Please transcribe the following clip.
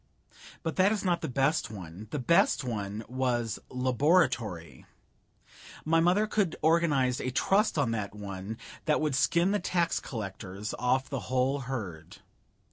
But that is not the best one; the best one was Laboratory. My mother could organize a Trust on that one that would skin the tax collars off the whole herd.